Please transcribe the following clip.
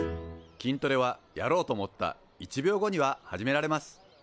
筋トレはやろうと思った１秒後には始められます。